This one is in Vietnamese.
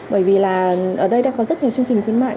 bởi vì là ở đây đã có rất nhiều chương trình khuyến mại